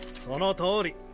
そのとおり。